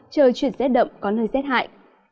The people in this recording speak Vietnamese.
trời chuyển rét đậm có nơi rét hại